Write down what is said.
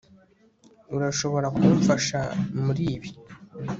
Urashobora kumfasha muri ibi